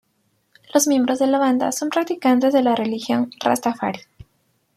Los miembros de la banda son practicantes de la religión Rastafari.